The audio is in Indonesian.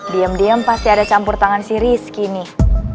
diam diam pasti ada campur tangan si rizky nih